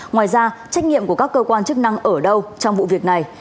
ngoài ra trách nhiệm của các cơ quan chức năng ở đâu trong vụ việc này